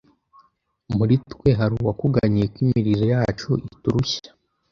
muri twe hari uwakuganyiye ko imirizo yacu iturushya